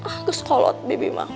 ah gue sekolot bibi mak